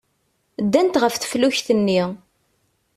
Ddant ɣef teflukt-nni.